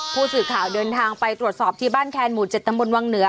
ผู้สื่อข่าวเดินทางไปตรวจสอบที่บ้านแคนหมู่๗ตำบลวังเหนือ